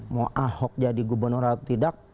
mau ahok jadi gubernur atau tidak